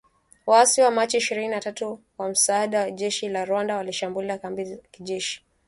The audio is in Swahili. waasi wa Machi ishirini na tatu kwa msaada wa jeshi la Rwanda, walishambulia kambi za jeshi